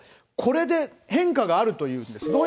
これで、変化があるというんです。